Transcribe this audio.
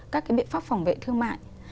các cái biện pháp phòng vệ thương mại